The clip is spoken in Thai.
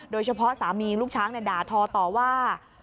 โดยเฉพาะสามีลูกช้างด่าทอต่อว่า